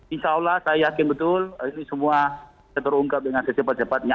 insya allah saya yakin betul ini semua terungkap dengan secepat cepatnya